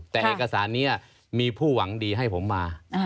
แต่เอกสารนี้มีผู้หวังดีให้ผมมา